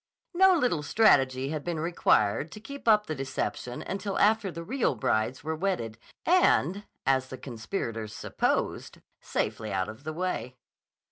No little strategy had been required to keep up the deception until after the real brides were wedded, and, as the conspirators supposed, safely out of the way.